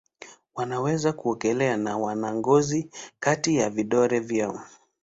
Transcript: Wanaweza kuogelea na wana ngozi kati ya vidole vyao.